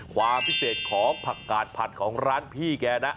ความพิเศษของผักกาดผัดของร้านพี่แกนะ